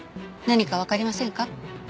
何かわかりませんか？